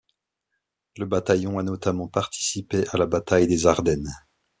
Le bataillon a notamment participé à la bataille des Ardennes.